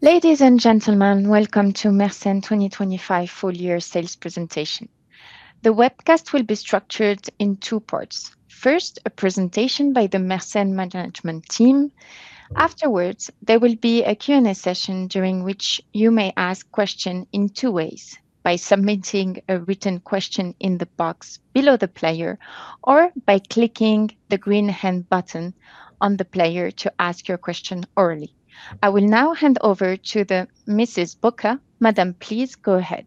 Ladies and gentlemen, Welcome to Mersen 2025 Full Year Sales Presentation. The webcast will be structured in two parts. First, a presentation by the Mersen management team. Afterwards, there will be a Q&A session, during which you may ask question in two ways: by submitting a written question in the box below the player, or by clicking the green hand button on the player to ask your question orally. I will now hand over to Véronique Boca. Madam, please go ahead.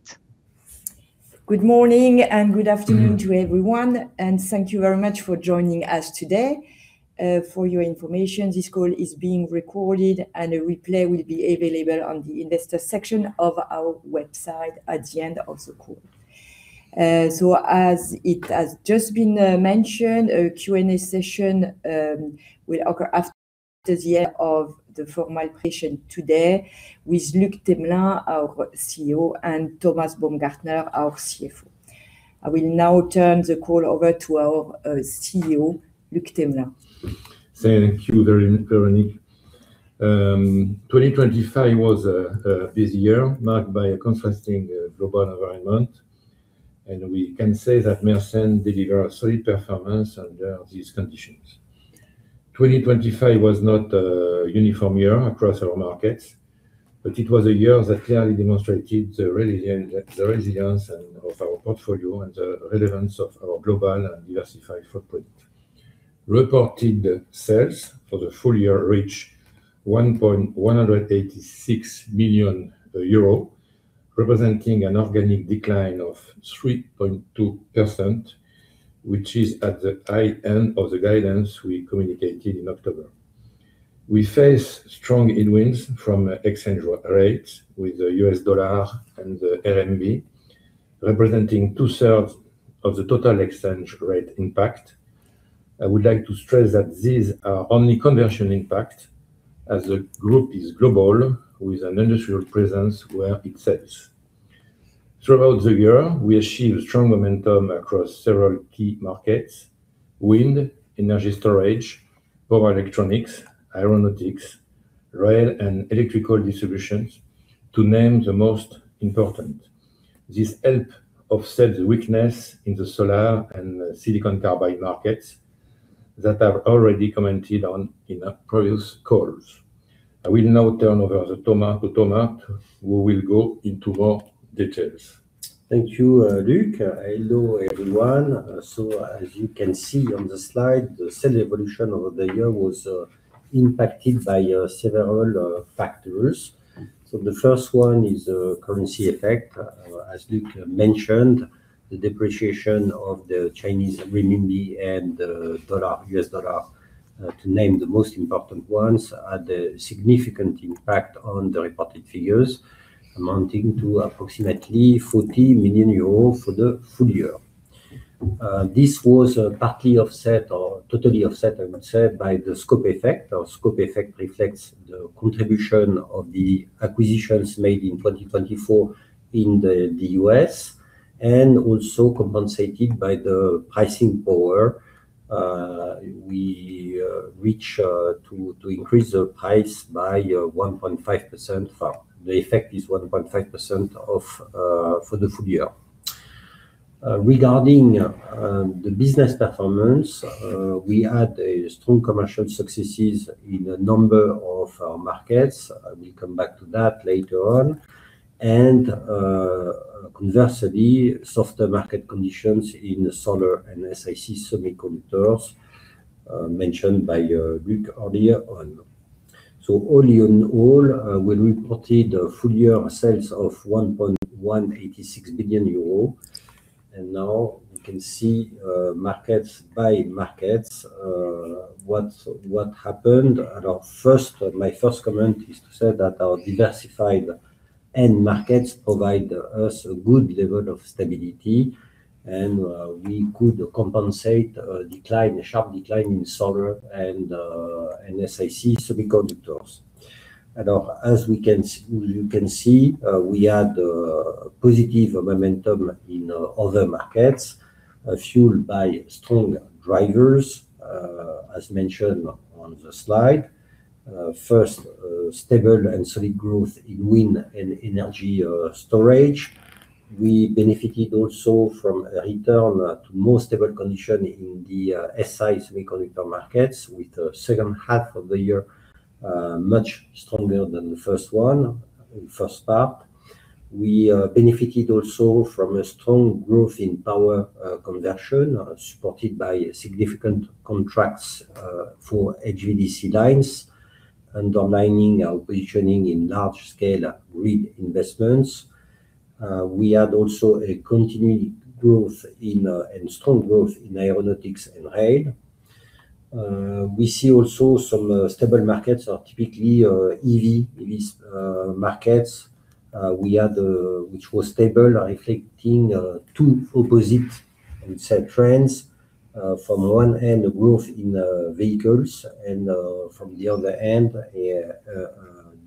Good morning and good afternoon to everyone, and thank you very much for joining us today. For your information, this call is being recorded, and a replay will be available on the investor section of our website at the end of the call. As it has just been mentioned, a Q&A session will occur after the end of the formal presentation today with Luc Themelin, our CEO, and Thomas Baumgartner, our CFO. I will now turn the call over to our CEO, Luc Themelin. Thank you, Véronique. 2025 was a busy year marked by a contrasting global environment, and we can say that Mersen delivered a solid performance under these conditions. 2025 was not a uniform year across our markets, but it was a year that clearly demonstrated the resilience of our portfolio and the relevance of our global and diversified footprint. Reported sales for the full year reached 1,186 million euro, representing an organic decline of 3.2%, which is at the high end of the guidance we communicated in October. We face strong headwinds from exchange rates with the U.S. dollar and the RMB, representing two-thirds of the total exchange rate impact. I would like to stress that these are only conversion impact as the group is global, with an industrial presence where it sells. Throughout the year, we achieved strong momentum across several key markets: wind, energy storage, power electronics, aeronautics, rail, and electrical distributions, to name the most important. This helped offset the weakness in the solar and silicon carbide markets that I've already commented on in our previous calls. I will now turn over to Thomas, who will go into more details. Thank you, Luc. Hello, everyone. So as you can see on the slide, the sales evolution over the year was impacted by several factors. So the first one is the currency effect. As Luc mentioned, the depreciation of the Chinese renminbi and the dollar, U.S. dollar, to name the most important ones, had a significant impact on the reported figures, amounting to approximately 40 million euros for the full year. This was partly offset, or totally offset, I would say, by the scope effect. Our scope effect reflects the contribution of the acquisitions made in 2024 in the U.S. and also compensated by the pricing power. We reach to increase the price by 1.5%. The effect is 1.5% for the full year. Regarding the business performance, we had a strong commercial successes in a number of our markets. I will come back to that later on. And, conversely, softer market conditions in solar and SiC semiconductors, mentioned by Luc earlier on. So all in all, we reported full-year sales of 1.186 billion euro, and now you can see, markets by markets, what, what happened. And our first. My first comment is to say that our diversified end markets provide us a good level of stability, and, we could compensate a decline, a sharp decline in solar and, and SiC semiconductors. And as we can see—you can see, we had positive momentum in other markets, fueled by strong drivers, as mentioned on the slide. First, stable and solid growth in wind and energy storage. We benefited also from a return to more stable condition in the Si semiconductor markets, with the second half of the year much stronger than the first one, first part. We benefited also from a strong growth in power conversion, supported by significant contracts for HVDC lines, underlining our positioning in large-scale grid investments. We had also a continued growth in and strong growth in aeronautics and rail. We see also some stable markets are typically EV, EVs markets. We had, which was stable, reflecting two opposite, I would say, trends. From one end, a growth in vehicles, and from the other end, a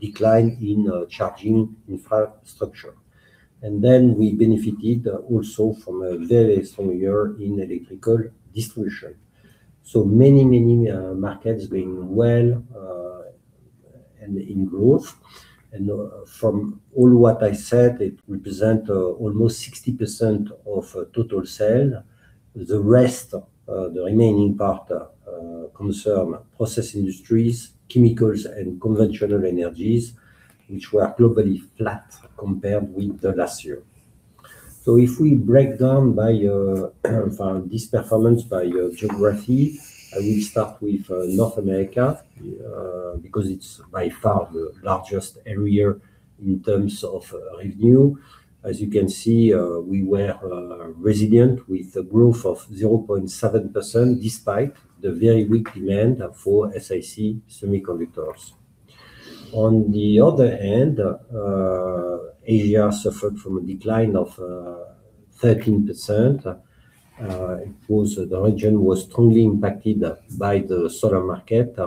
decline in charging infrastructure. Then we benefited also from a very strong year in electrical distribution. So many, many markets going well and in growth. And from all what I said, it represent almost 60% of total sale. The rest, the remaining part, concern process industries, chemicals, and conventional energies, which were globally flat compared with the last year. So if we break down by this performance by geography, I will start with North America because it's by far the largest area in terms of revenue. As you can see, we were resilient with a growth of 0.7%, despite the very weak demand for SiC semiconductors. On the other hand, Asia suffered from a decline of 13%. The region was strongly impacted by the solar market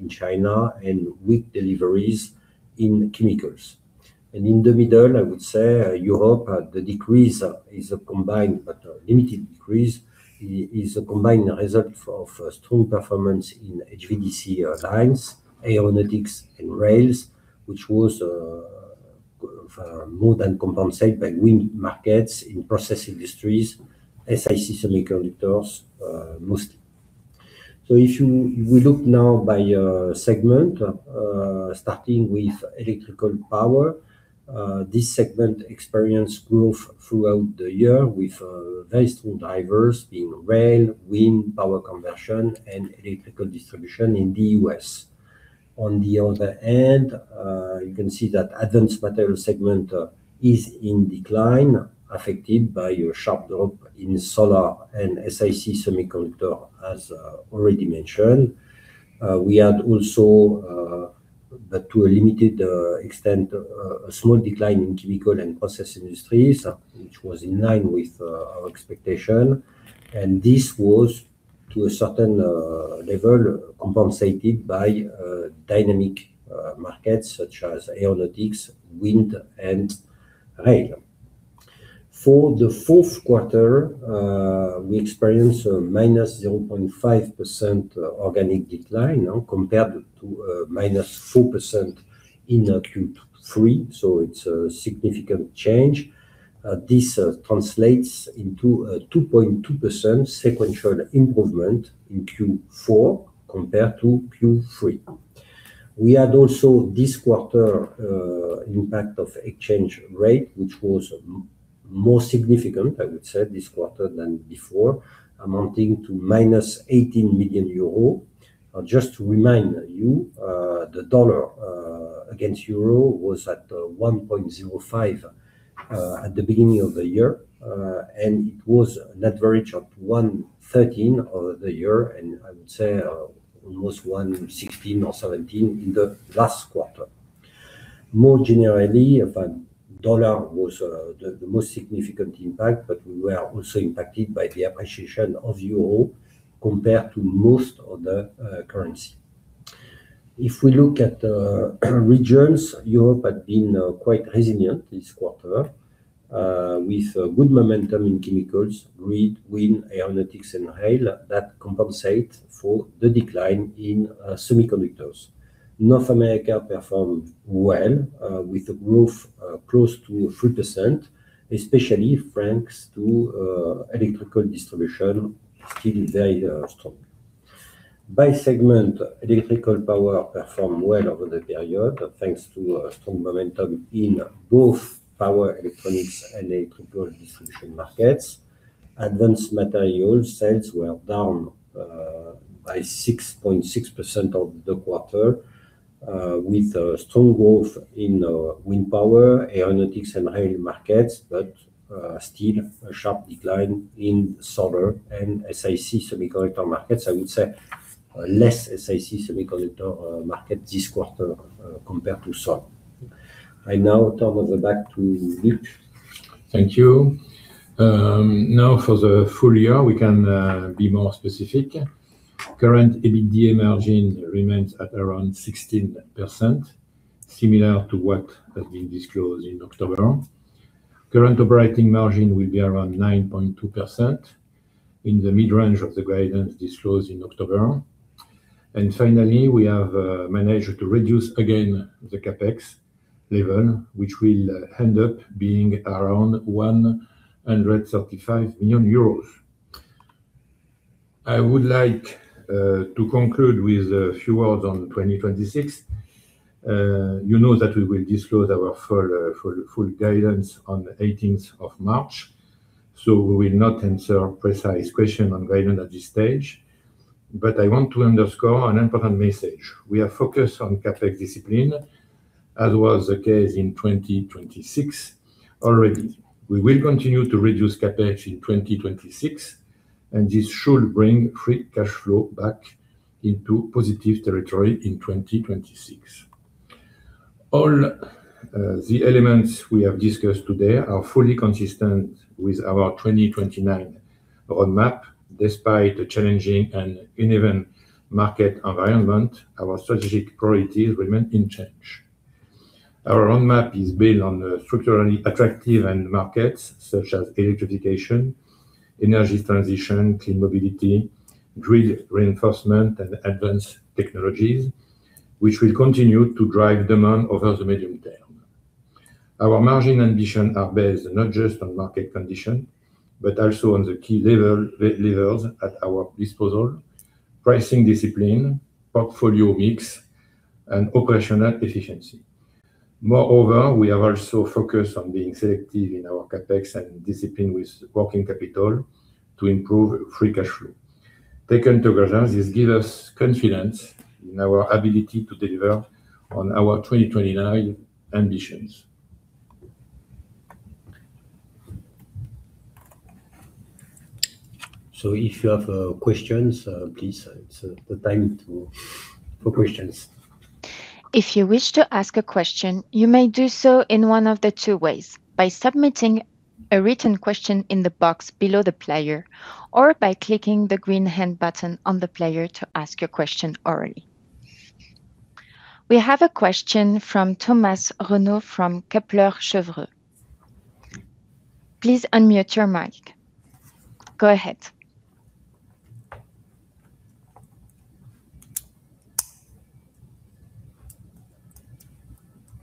in China and weak deliveries in chemicals. In the middle, I would say, Europe, the decrease is a combined, but a limited decrease, is a combined result of a strong performance in HVDC designs, aeronautics, and rails, which was more than compensated by wind markets in process industries, SiC semiconductors, mostly. So we look now by segment, starting with electrical power, this segment experienced growth throughout the year with very strong drivers being rail, wind, power conversion, and electrical distribution in the US. On the other hand, you can see that advanced material segment is in decline, affected by a sharp drop in solar and SiC semiconductor, as already mentioned. We had also, but to a limited extent, a small decline in chemical and process industries, which was in line with our expectation. This was, to a certain level, compensated by dynamic markets such as aeronautics, wind, and rail. For the fourth quarter, we experienced a -0.5% organic decline compared to -4% in Q3, so it's a significant change. This translates into a 2.2% sequential improvement in Q4 compared to Q3. We had also this quarter impact of exchange rate, which was more significant, I would say, this quarter than before, amounting to -18 million euros. Just to remind you, the U.S. dollar against euro was at 1.05 at the beginning of the year, and it was an average of 1.13 over the year, and I would say almost 1.16 or 1.17 in the last quarter. More generally, but the U.S. dollar was the most significant impact, but we were also impacted by the appreciation of euro compared to most other currency. If we look at regions, Europe had been quite resilient this quarter, with good momentum in chemicals, grid, wind, aeronautics, and rail, that compensate for the decline in semiconductors. North America performed well, with a growth close to 3%, especially thanks to electrical distribution, still very strong. By segment, electrical power performed well over the period, thanks to a strong momentum in both power, electronics, and electrical distribution markets. Advanced material sales were down by 6.6% of the quarter, with a strong growth in wind power, aeronautics, and rail markets, but still a sharp decline in solar and SiC semiconductor markets. I would say, less SiC semiconductor market this quarter, compared to solar. I now turn over back to Luc. Thank you. Now for the full year, we can be more specific. Current EBITDA margin remains at around 16%, similar to what has been disclosed in October. Current operating margin will be around 9.2% in the mid-range of the guidance disclosed in October. And finally, we have managed to reduce again the CapEx level, which will end up being around 135 million euros. I would like to conclude with a few words on 2026. You know that we will disclose our full guidance on the 18th of March, so we will not answer precise question on guidance at this stage. But I want to underscore an important message. We are focused on CapEx discipline, as was the case in 2026 already. We will continue to reduce CapEx in 2026, and this should bring free cash flow back into positive territory in 2026. All, the elements we have discussed today are fully consistent with our 2029 roadmap. Despite the challenging and uneven market environment, our strategic priorities remain unchanged. Our roadmap is built on structurally attractive end markets, such as electrification, energy transition, clean mobility, grid reinforcement, and advanced technologies, which will continue to drive demand over the medium term. Our margin ambition are based not just on market condition, but also on the key levels at our disposal, pricing discipline, portfolio mix, and operational efficiency. Moreover, we have also focused on being selective in our CapEx and discipline with working capital to improve free cash flow. Taken together, this give us confidence in our ability to deliver on our 2029 ambitions. So if you have questions, please, it's the time to for questions. If you wish to ask a question, you may do so in one of the two ways: by submitting a written question in the box below the player, or by clicking the green hand button on the player to ask your question orally. We have a question from Thomas Renaud from Kepler Cheuvreux. Please unmute your mic. Go ahead.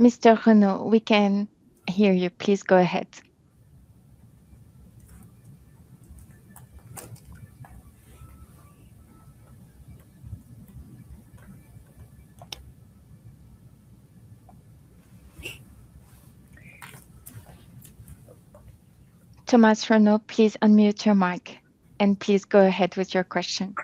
Mr. Renaud, we can hear you. Please go ahead. Thomas Renaud, please unmute your mic, and please go ahead with your question.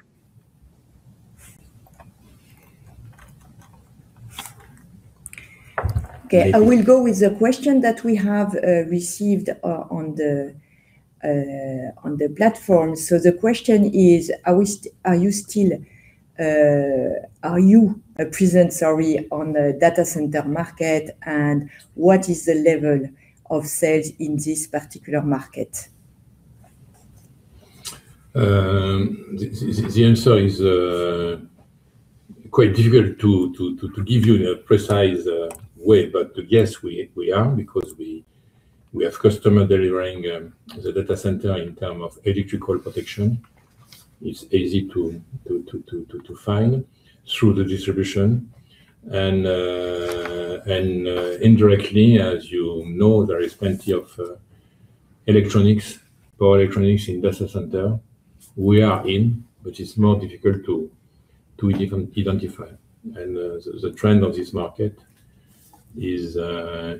Okay. I will go with the question that we have received on the platform. So the question is, are you still. Are you present, sorry, on the data center market? And what is the level of sales in this particular market? The answer is quite difficult to give you in a precise way. But yes, we are, because we have customer delivering the data center in terms of electrical protection. It's easy to find through the distribution. And indirectly, as you know, there is plenty of electronics, power electronics in data center. We are in, but it is more difficult to identify. And the trend of this market is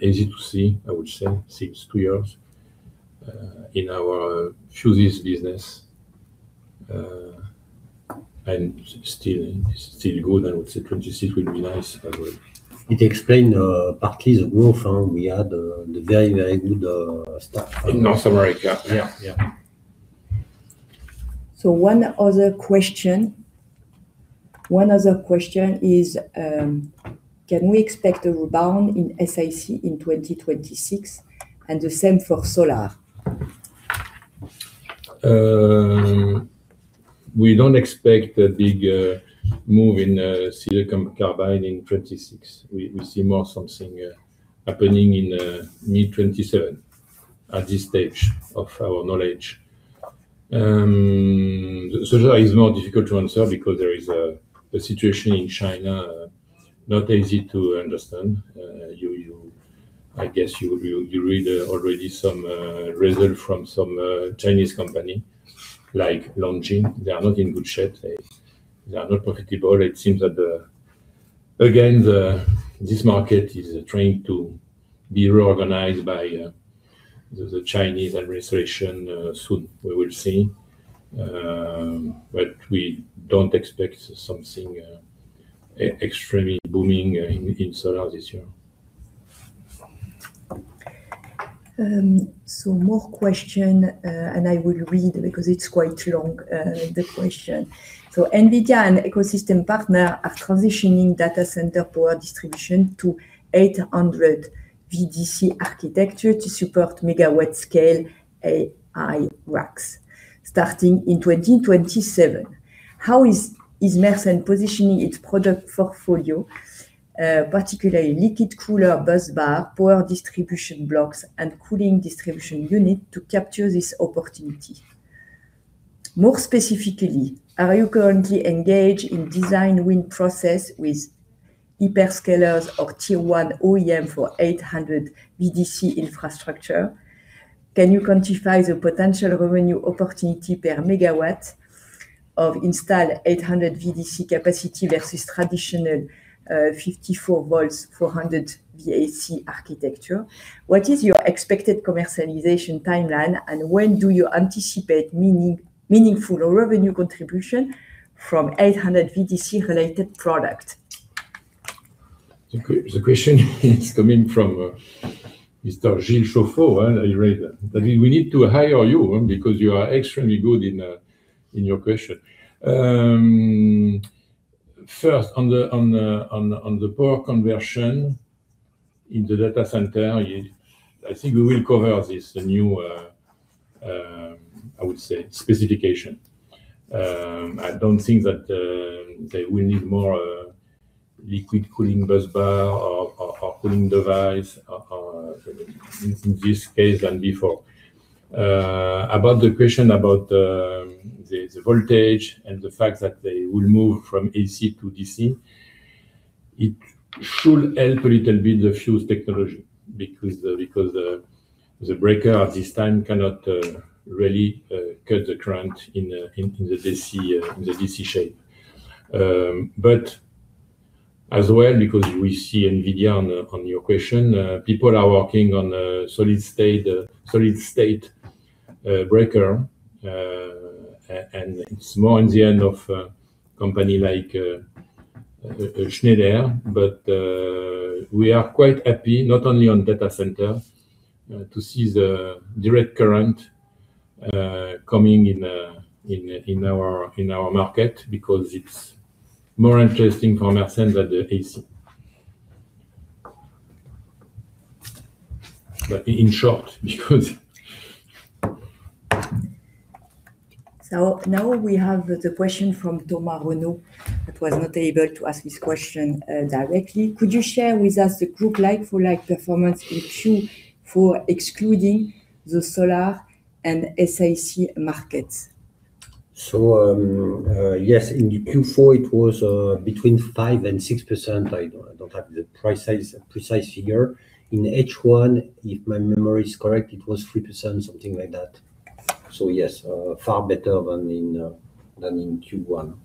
easy to see, I would say, since two years in our fuses business. And still good, I would say. 2026 will be nice as well. It explain partly the growth we had, the very, very good start. In North America. Yeah. Yeah. So one other question, one other question is: Can we expect a rebound in SiC in 2026, and the same for solar? We don't expect a big move in silicon carbide in 2026. We see more something happening in mid-2027, at this stage of our knowledge. Solar is more difficult to answer because there is a situation in China not easy to understand. I guess you read already some result from some Chinese company, like LONGi. They are not in good shape. They are not profitable. It seems that, again, this market is trying to be reorganized by the Chinese administration soon. We will see. But we don't expect something extremely booming in solar this year. So more question, and I will read because it's quite long, the question. So NVIDIA and ecosystem partner are transitioning data center power distribution to 800 VDC architecture to support megawatt-scale AI racks, starting in 2027. How is Mersen positioning its product portfolio, particularly liquid cooler, busbar, power distribution blocks, and cooling distribution unit, to capture this opportunity? More specifically, are you currently engaged in design win process with hyperscalers or tier-one OEM for 800 VDC infrastructure? Can you quantify the potential revenue opportunity per megawatt of installed 800 VDC capacity versus traditional, 54 volts, 400 VAC architecture? What is your expected commercialization timeline, and when do you anticipate meaningful revenue contribution from 800 VDC-related product? The question is coming from Mr. Gilles Chauffour, I read that. But we need to hire you, because you are extremely good in your question. First, on the power conversion in the data center, I think we will cover this, the new. I would say specification. I don't think that we need more liquid cooling busbar or cooling device or in this case than before. About the question about the voltage and the fact that they will move from AC to DC, it should help a little bit the fuse technology because the breaker at this time cannot really cut the current in the DC shape. But as well, because we see NVIDIA on your question, people are working on solid state breaker. And it's more on the end of a company like Schneider. But we are quite happy, not only on data center, to see the direct current coming in in our market, because it's more interesting for Mersen than the AC. But in short, because. So now we have the question from Thomas Renaud, that was not able to ask his question, directly. Could you share with us the group like-for-like performance in Q4, excluding the solar and SiC markets? So, yes, in the Q4 it was between 5%-6%. I don't have the precise figure. In H1, if my memory is correct, it was 3%, something like that. So yes, far better than in Q1.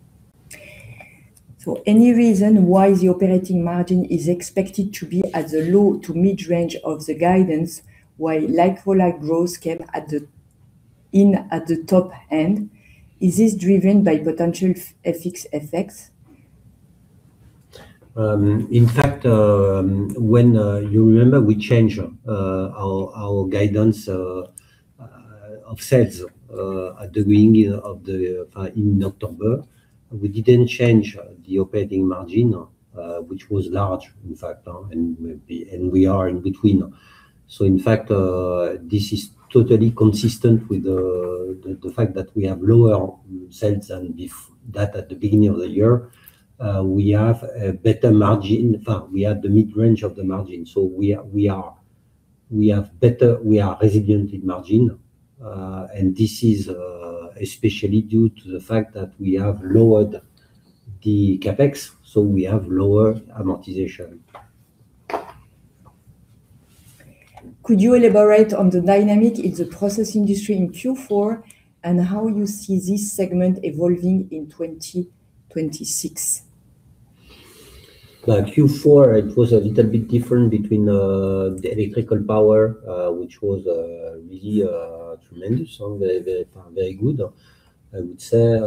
So any reason why the operating margin is expected to be at the low to mid-range of the guidance, while like-for-like growth kept at the top end? Is this driven by potential FX effects? In fact, when you remember we changed our guidance of sales at the beginning of the in October, we didn't change the operating margin, which was large in fact, and we are in between. In fact, this is totally consistent with the fact that we have lower sales than at the beginning of the year. We have a better margin. We have the mid-range of the margin, so we are resilient in margin. This is especially due to the fact that we have lowered the CapEx, so we have lower amortization. Could you elaborate on the dynamic in the process industry in Q4, and how you see this segment evolving in 2026? Q4, it was a little bit different between the electrical power, which was really tremendous, very, very, very good, I would say.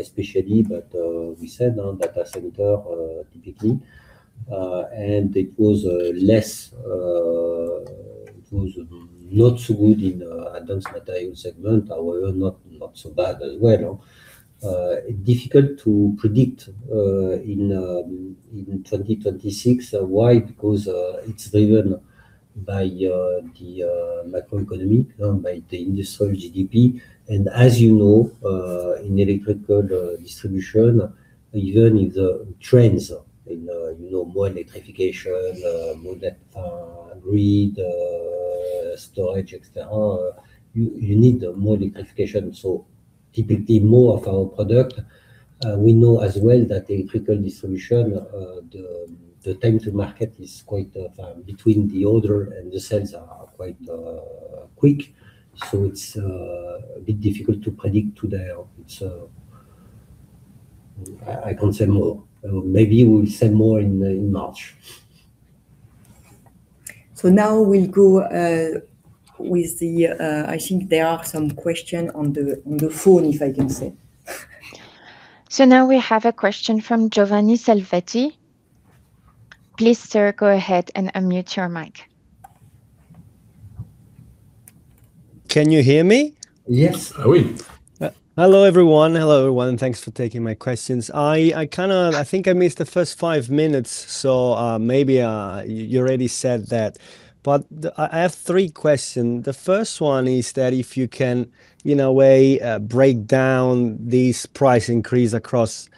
Especially, but we said on data center, typically, and it was less, it was not so good in advanced material segment. However, not so bad as well. Difficult to predict in 2026. Why? Because it's driven by the macroeconomy, by the industrial GDP. And as you know, in electrical distribution, even in the trends, in you know, more electrification, more grid storage, et cetera, you need more electrification. So typically more of our product. We know as well that the electrical distribution, the time to market is quite between the order and the sales are quite quick. So it's a bit difficult to predict today. It's. I can't say more. Maybe we'll say more in March. So now we'll go with the. I think there are some question on the phone, if I can say. So now we have a question from Giovanni Salvetti. Please, sir, go ahead and unmute your mic. Can you hear me? Yes, I will. Hello, everyone. Hello, everyone, and thanks for taking my questions. I kind of. I think I missed the first 5 minutes, so, maybe, you already said that. But I have 3 questions. The first one is that if you can, in a way, break down this price increase across,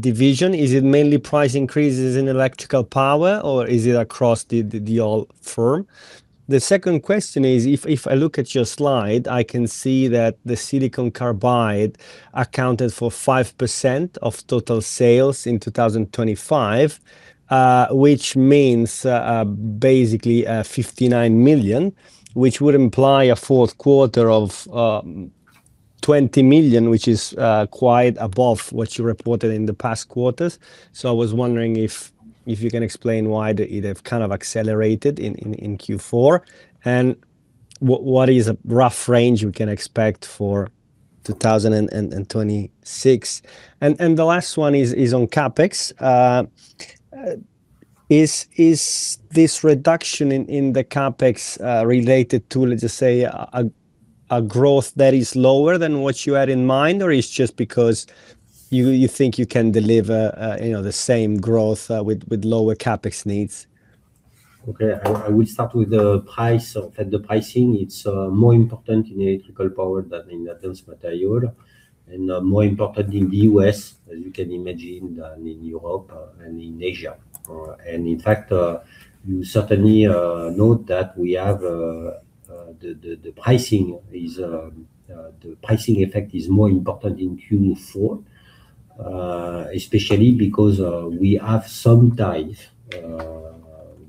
division, is it mainly price increases in electrical power or is it across the, the, all firm? The second question is, if I look at your slide, I can see that the silicon carbide accounted for 5% of total sales in 2025, which means, basically, 59 million, which would imply a fourth quarter of, 20 million, which is, quite above what you reported in the past quarters. So I was wondering if you can explain why it have kind of accelerated in Q4? And what is a rough range we can expect for 2026? And the last one is on CapEx. Is this reduction in the CapEx related to, let's just say, a growth that is lower than what you had in mind, or it's just because you think you can deliver, you know, the same growth with lower CapEx needs? Okay, I will start with the price of, and the pricing. It's more important in electrical power than in advanced material, and more important in the U.S., as you can imagine, than in Europe and in Asia. And in fact, you certainly note that the pricing effect is more important in Q4. Especially because we have some tariff,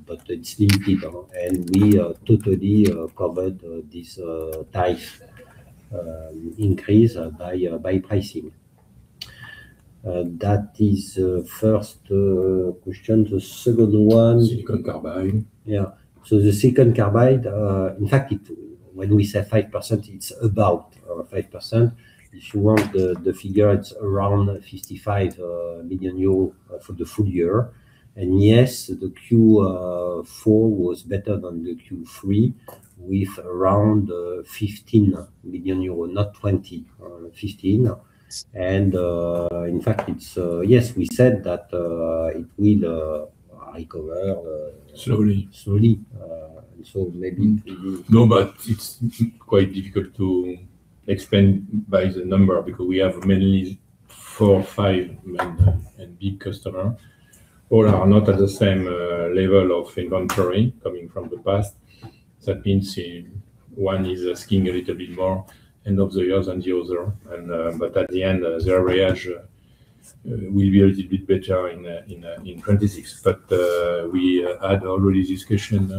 but it's limited, and we are totally covered this tariff increase by pricing. That is first question. The second one. Silicon carbide. Yeah. So the silicon carbide, in fact, when we say 5%, it's about 5%. If you want the figure, it's around 55 million euros for the full year. And yes, the Q4 was better than the Q3, with around 15 million euros, not 20, 15. And, in fact, it's. Yes, we said that it will recover. Slowly. Slowly. So maybe you. No, but it's quite difficult to explain by the number, because we have mainly four or five main and big customer. All are not at the same level of inventory coming from the past. That means one is asking a little bit more end of the years than the other, and but at the end their average will be a little bit better in 2026. But we had already discussion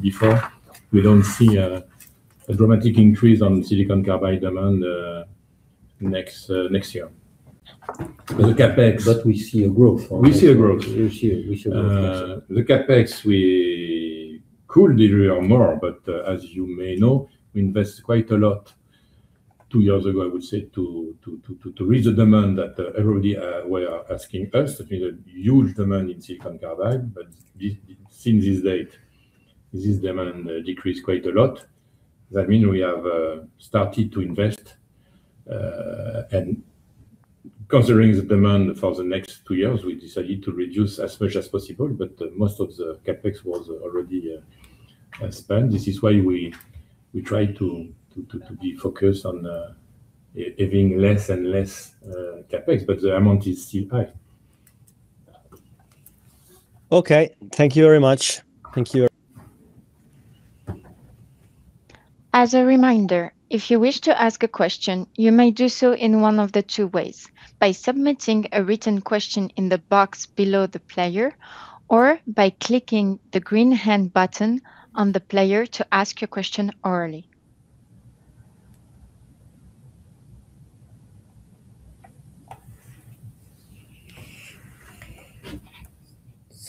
before. We don't see a dramatic increase on silicon carbide demand next year. The CapEx. But we see a growth. We see a growth. We see it. We should The CapEx, we could deliver more, but, as you may know, we invest quite a lot. Two years ago, I would say, to raise the demand that everybody were asking us. I mean, a huge demand in silicon carbide, but since this date, this demand decreased quite a lot. That mean we have started to invest. And considering the demand for the next two years, we decided to reduce as much as possible, but most of the CapEx was already spent. This is why we try to be focused on having less and less CapEx, but the amount is still high. Okay. Thank you very much. Thank you. As a reminder, if you wish to ask a question, you may do so in one of the two ways: by submitting a written question in the box below the player, or by clicking the green hand button on the player to ask your question orally.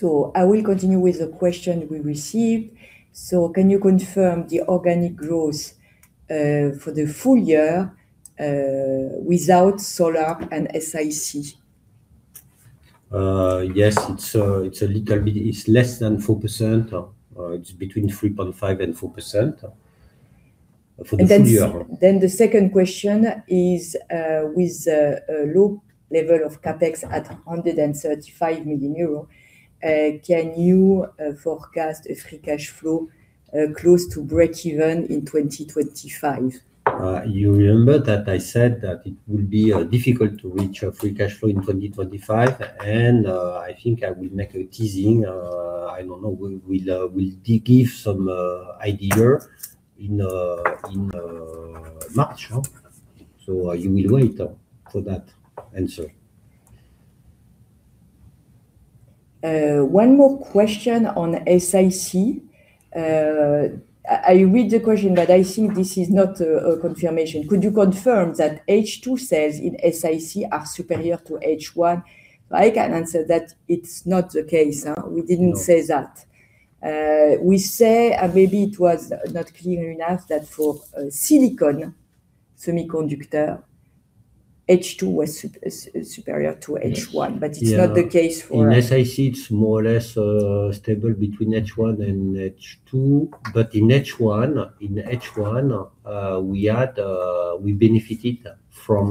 I will continue with the question we received. Can you confirm the organic growth for the full year without solar and SiC? Yes, it's a little bit. It's less than 4%, or it's between 3.5% and 4% for this year. The second question is, with a low level of CapEx at 135 million euro, can you forecast a free cash flow close to breakeven in 2025? You remember that I said that it will be difficult to reach a free cash flow in 2025, and I think I will make a teasing. I don't know, we will, we'll give some idea in March, huh? So you will wait for that answer. One more question on SiC. I read the question, but I think this is not a confirmation. Could you confirm that H2 sales in SiC are superior to H1? I can answer that it's not the case? No. We didn't say that. We say, and maybe it was not clear enough, that for silicon semiconductor, H2 is superior to H1. Yes. But it's not the case for. In SiC, it's more or less stable between H1 and H2, but in H1 we benefited from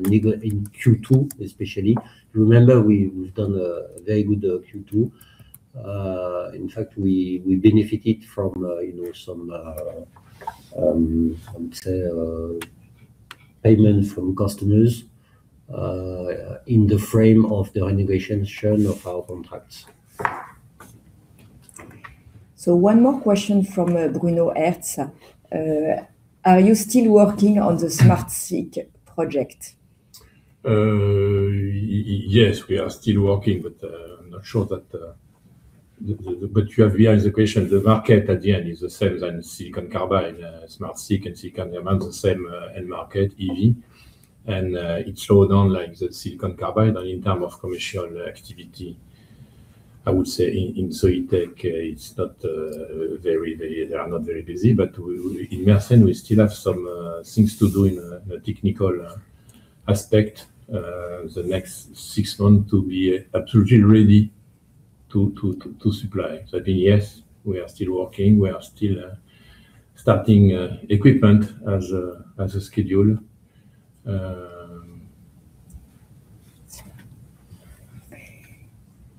negotiation in Q2 especially. Remember we, we've done a very good Q2. In fact, we benefited from, you know, some, how to say, payment from customers in the frame of the renovation of our contracts. So one more question from Bruno Hertz. Are you still working on the SmartSiC project? Yes, we are still working, but, I'm not sure that. But you have realized the question, the market at the end is the same as than silicon carbide, SmartSiC and silicon carbide are the same end market, EV. And, it slowed down like the silicon carbide in term of commercial activity. I would say in Soitec, it's not very, very. They are not very busy. But in Mersen, we still have some things to do in a technical aspect, the next six month to be absolutely ready to supply. So I think, yes, we are still working, we are still starting equipment as a schedule.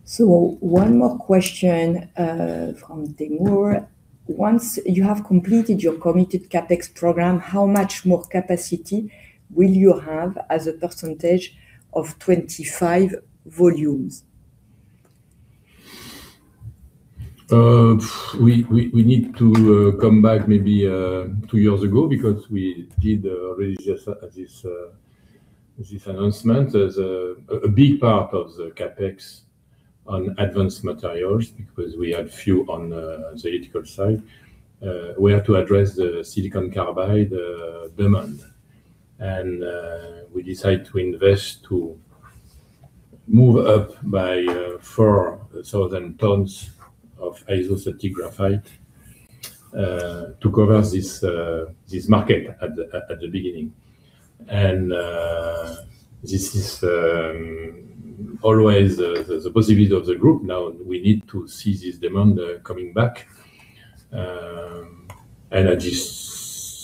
So one more question from Timour: Once you have completed your committed CapEx program, how much more capacity will you have as a percentage of 25 volumes? We need to come back maybe two years ago because we did already just this announcement. There's a big part of the CapEx on advanced materials, because we had few on the electrical side. We have to address the silicon carbide demand. And we decided to invest to move up by 4,000 tons of isostatic graphite to cover this market at the beginning. And this is always the possibility of the group. Now we need to see this demand coming back. And at this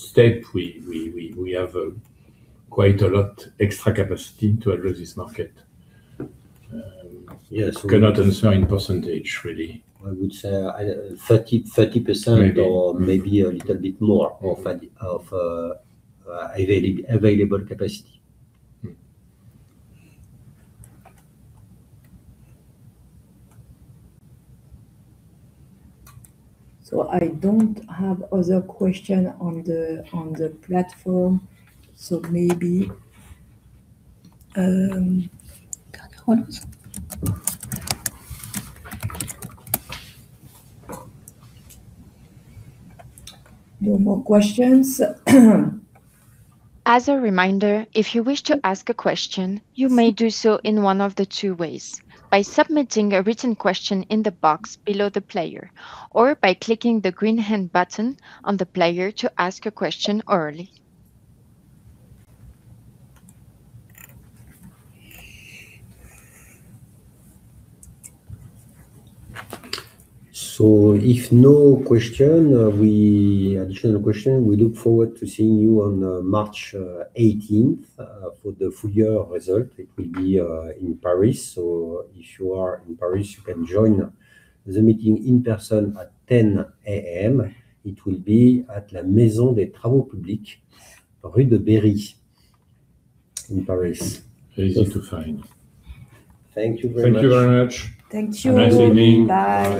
step, we have quite a lot extra capacity to address this market. Um, yes. I cannot answer in percentage, really. I would say, 30, 30%. Maybe Or maybe a little bit more of available capacity. Mm. I don't have other question on the platform, so maybe no more questions? As a reminder, if you wish to ask a question, you may do so in one of the two ways: by submitting a written question in the box below the player, or by clicking the green hand button on the player to ask a question orally. So if no question, additional question, we look forward to seeing you on March 18 for the full year result. It will be in Paris, so if you are in Paris, you can join the meeting in person at 10:00 A.M. It will be at La Maison des Travaux Publics, Rue de Berri in Paris. Easy to find. Thank you very much. Thank you very much. Thank you. Nice meeting. Bye.